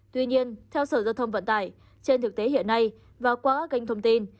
tuy nhiên theo sở giao thông vận tải trên thực tế hiện nay và qua kênh thông tin